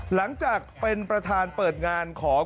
หลังจากเป็นประธานเปิดงานของ